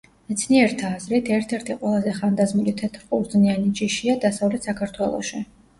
მეცნიერთა აზრით, ერთ-ერთი ყველაზე ხანდაზმული თეთრყურძნიანი ჯიშია დასავლეთ საქართველოში.